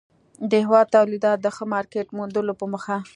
د هېواد توليداتو ته ښه مارکيټ موندلو په موخه